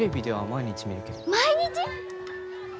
毎日！？